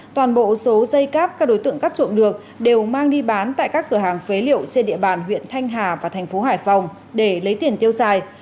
toàn bộ số dây cáp các đối tượng cắt trộm được đều mang đi bán tại các cửa hàng phế liệu trên địa bàn huyện thanh hà và thành phố hải phòng để lấy tiền tiêu xài